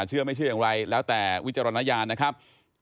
เชื่อไม่เชื่ออย่างไรแล้วแต่วิจารณญาณนะครับ